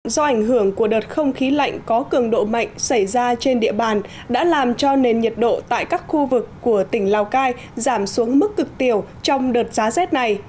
do ảnh hưởng của đợt không khí lạnh có cường độ mạnh xảy ra trên địa bàn đã làm cho nền nhiệt độ tại các khu vực của tỉnh lào cai giảm xuống mức cực tiểu trong đợt giá rét này